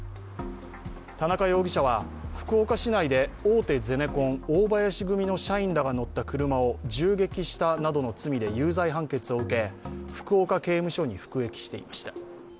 田中容疑者は福岡市内で大手ゼネコン大林組の社員らが乗った車を銃撃したなどの罪で有罪判決を受け、福岡刑務所に服役していました。